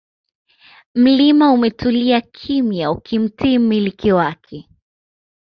Mlima umetulia kimya ukimtii mmiliki wake